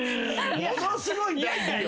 ものすごい大事よ。